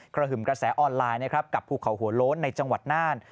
หึ่มกระแสออนไลน์นะครับกับภูเขาหัวโล้นในจังหวัดน่าน